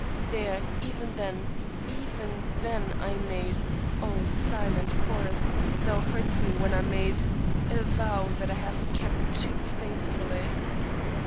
There, even then, even then, I made — O silent forest! thou heardst me when I made — a, vow that I have kept too faithfully.